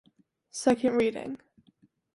Second Reading: